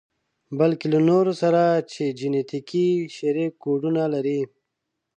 بلکې له نورو سره چې جنتیکي شريک کوډونه لري.